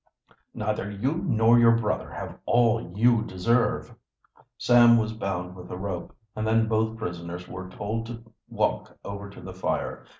"Neither you nor your brother have all you deserve." Sam was bound with a rope, and then both prisoners were told to walk over to the fire.